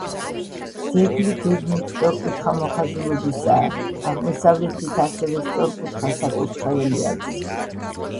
ძეგლი გეგმით სწორკუთხა მოხაზულობისაა, აღმოსავლეთით ასევე სწორკუთხა საკურთხეველი აქვს.